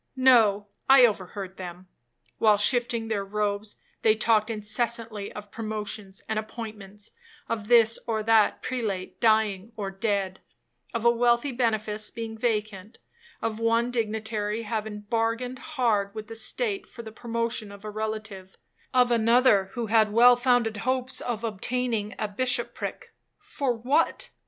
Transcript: No, I overheard them. While shifting their robes, they talked incessantly of promotions and appointments,—of this or that prelate, dying or dead,—of a wealthy benefice being vacant,—of one dignitary having bargained hard with the state for the promotion of a relative,—of another who had well founded hopes of obtaining a bishoprick, for what?